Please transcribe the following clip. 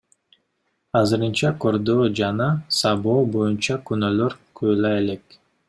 Азырынча кордоо жана сабоо боюнча күнөөлөр коюла элек.